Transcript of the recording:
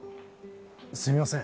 すみません。